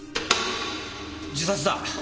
自殺だ。